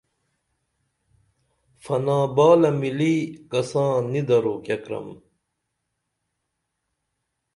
فنا بالہ مِلی کساں نی درو کیہ کرم